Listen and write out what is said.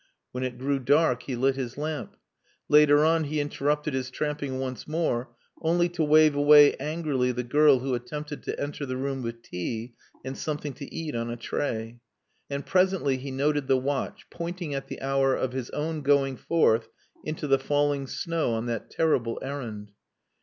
When it grew dark he lit his lamp. Later on he interrupted his tramping once more, only to wave away angrily the girl who attempted to enter the room with tea and something to eat on a tray. And presently he noted the watch pointing at the hour of his own going forth into the falling snow on that terrible errand.